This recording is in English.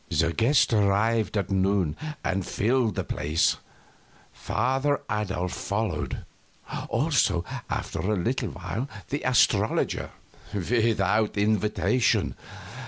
The guests arrived at noon and filled the place. Father Adolf followed; also, after a little, the astrologer, without invitation.